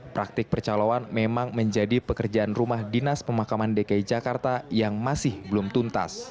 praktik percaloan memang menjadi pekerjaan rumah dinas pemakaman dki jakarta yang masih belum tuntas